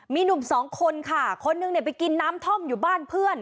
มีหนุ่มสองคนค่ะคนหนึ่งเนี่ยไปกินน้ำท่อมอยู่บ้านเพื่อน